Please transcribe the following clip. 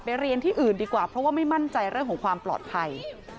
เรียนที่อื่นดีกว่าเพราะว่าไม่มั่นใจเรื่องของความปลอดภัย